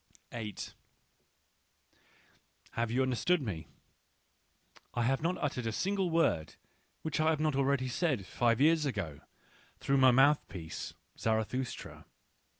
8 Have you understood me ? I have not uttered a single word which I had not already said five years ago through my mouthpiece Zarathustra.